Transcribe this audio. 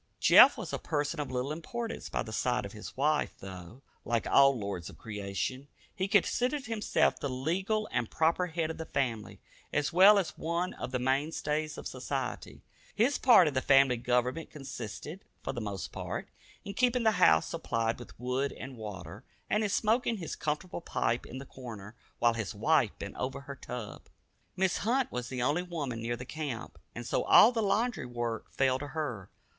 Jeff was a person of little importance by the side of his wife, though, like all "lords of creation," he considered himself the legal and proper head of the family, as well as one of the mainstays of society. His part of the family government consisted, for the most part, in keeping the house supplied with wood and water, and in smoking his comfortable pipe in the corner, while his wife bent over her tub. Mrs. Hunt was the only woman near the camp, and so all the laundry work fell to her.